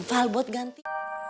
faham buat ganti